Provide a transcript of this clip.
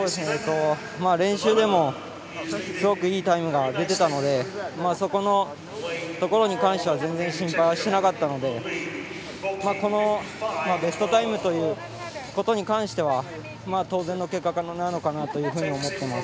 練習でもすごくいいタイムが出てたのでそこのところに関しては全然心配はしていなかったのでベストタイムということに関しては当然の結果なのかなと思ってます。